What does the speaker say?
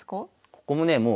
ここもね